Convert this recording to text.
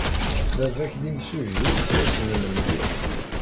Baba-k d imsujji yettwassnen mliḥ.